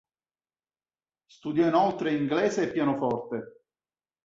Studiò inoltre inglese e pianoforte.